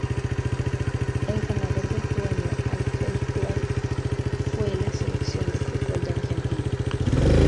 El ganador del premio al Fair play fue la Selección de fútbol de Argentina.